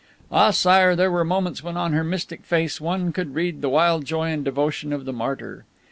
Ah, Sire, there were moments when on her mystic face one could read the wild joy and devotion of the martyr.